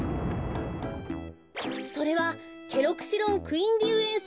それはケロクシロンクインディウエンセ。